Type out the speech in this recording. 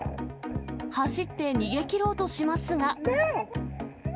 走って逃げきろうとしますが。